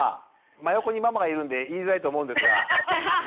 真横にママがいるんで言いづらいと思うんですが。